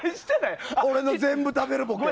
俺の全部食べるボケ。